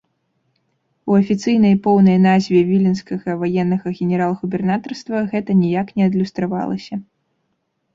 У афіцыйнай поўнай назве віленскага ваеннага генерал-губернатарства гэта ніяк не адлюстравалася.